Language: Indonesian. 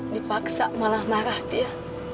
dipaksa malah marah dia